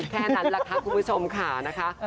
แค่นั้นแหละค่ะคุณผู้ชมค่ะนะคะ